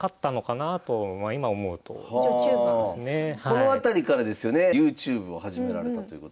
この辺りからですよねＹｏｕＴｕｂｅを始められたということで。